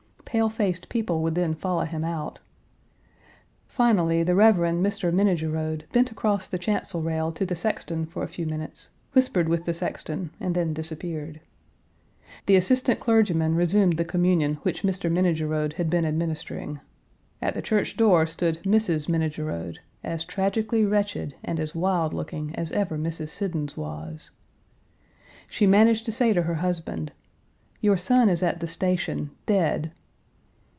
Pale faced people would then follow him out. Finally, the Rev. Mr. Minnegerode bent across the chancel rail to the sexton for a few minutes, whispered with the sexton, and then disappeared. The assistant clergyman resumed the communion which Mr. Minnegerode had been administering. At the church door stood Mrs. Minnegerode, as tragically wretched and as wild looking as ever Mrs. Siddons was. She managed to say to her husband, "Your son is at the station, dead!"